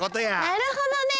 なるほどね！